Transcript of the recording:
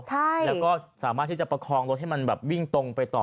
ใช่แล้วก็สามารถที่จะประคองรถให้มันแบบวิ่งตรงไปต่อ